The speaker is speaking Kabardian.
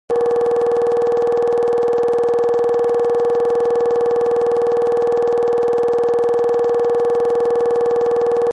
Уи адэм Нэгъуей Аслъэн и адэр иукӀынут, ауэ хъуакъым, Ӏэжьэгъухэм гъуэгу къратакъым.